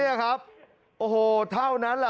นี่ครับโอ้โหเท่านั้นแหละ